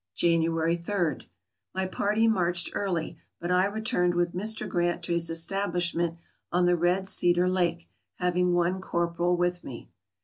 January J. — My party marched early, but I returned with Mr. Grant to his establishment on the Red Cedar Lake, having one corporal with me.